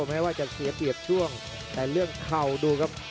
แม้ว่าจะเสียเปรียบช่วงแต่เรื่องเข่าดูครับ